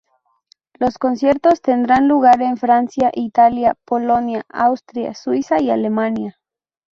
Los conciertos tendrán lugar en Francia, Italia, Polonia, Austria, Suiza y Alemania.